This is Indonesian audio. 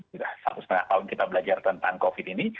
sudah satu setengah tahun kita belajar tentang covid ini